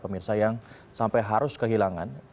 pemirsa yang sampai harus kehilangan